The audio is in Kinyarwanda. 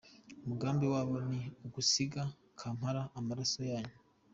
Umugambi wabo ni ugusiga Kampala amaraso yanyu.”